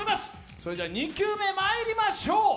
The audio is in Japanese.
それでは２球目、まいりましょう。